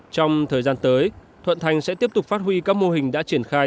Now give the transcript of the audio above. trong thời gian tới thuận thành sẽ tiếp tục phát huy các mô hình đã triển khai